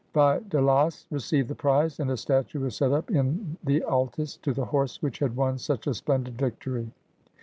Pheidolas received the prize, and a statue was set up in the Altis to the horse which had won such a splendid victory.